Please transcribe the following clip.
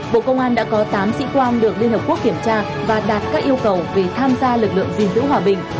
bộ công an đã có tám sĩ quan được liên hợp quốc kiểm tra và đạt các yêu cầu về tham gia lực lượng gìn giữ hòa bình